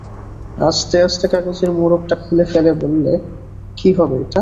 আস্তে আস্তে কাগজের মোড়কটা খুলে ফেলে বললে, কী হবে এটা?